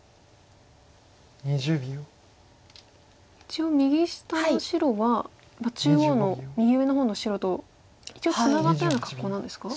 一応右下の白は中央の右上の方の白と一応ツナがったような格好なんですか？